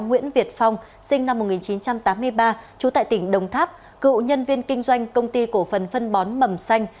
nguyễn việt phong sinh năm một nghìn chín trăm tám mươi ba trú tại tỉnh đồng tháp cựu nhân viên kinh doanh công ty cổ phần phân bón mầm xanh